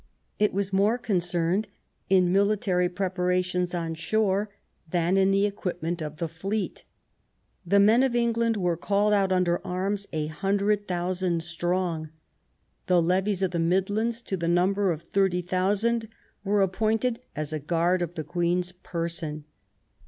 It was more con cerned in military preparations on shore than in the equipment of the fleet. The men of England were called out under arms, 100,000 strong. The levies of the Midlands, to the number of 30,000, were appointed as a guard of the Queen's person.